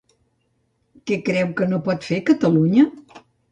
Què creu que no pot fer Catalunya?